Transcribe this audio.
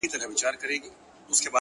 لوړ فکر لوی بدلونونه زېږوي